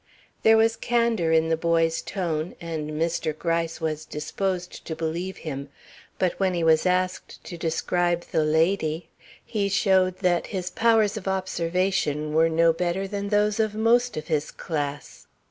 There was candor in the boy's tone, and Mr. Gryce was disposed to believe him; but when he was asked to describe the lady, he showed that his powers of observation were no better than those of most of his class.